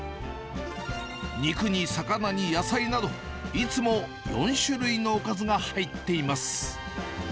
肉に魚に野菜など、いつも４種類のおかずが入っています。